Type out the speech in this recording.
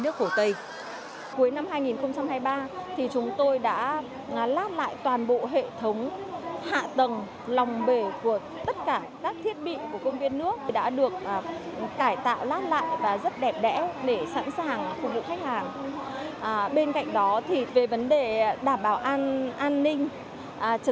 cuối năm hai nghìn hai mươi ba chúng tôi đã lát lại toàn bộ hệ thống hạ tầng lòng bể của tất cả các thiết bị của công viên nước đã được cải tạo lát lại và rất đẹp đẽ để sẵn sàng phục vụ khách hàng